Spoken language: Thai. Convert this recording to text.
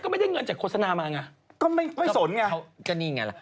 ก็ไม่สนไงครับคราวกะนี่ไงล่ะ